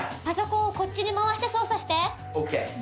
パソコンをこっちに回して操作して。